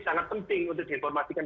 sangat penting untuk diinformasikan